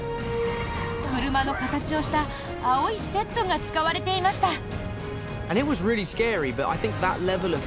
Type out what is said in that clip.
車の形をした青いセットが使われていました。